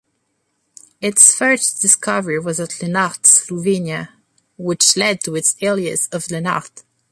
Its first discovery was at Lenart, Slovenia, which led to its alias of Lenart.